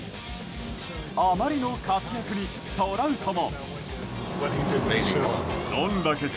あまりの活躍に、トラウトも。